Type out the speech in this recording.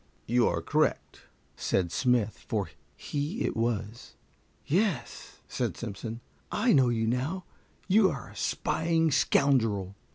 "You are correct," said Smith, for he it was. "Yes," said Simpson, "I know you now; you are a spying scoundrel."